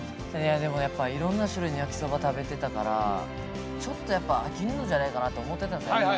やっぱいろんな種類の焼きそば食べてたからちょっとやっぱ飽きんじゃないかなと思ってたんですよ。